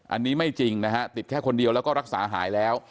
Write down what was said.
อันนี้ไม่จริงนะฮะติดแค่คนเดียวแล้วก็รักษาหายแล้ว